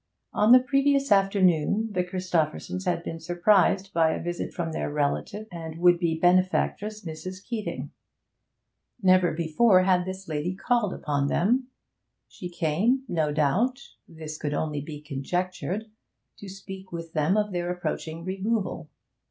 On the previous afternoon the Christophersons had been surprised by a visit from their relatives and would be benefactress, Mrs. Keeting. Never before had that lady called upon them; she came, no doubt (this could only be conjectured), to speak with them of their approaching removal.